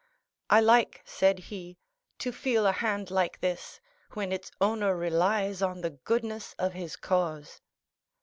"I like," said he, "to feel a hand like this, when its owner relies on the goodness of his cause."